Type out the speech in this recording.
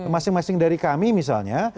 masing masing dari kami misalnya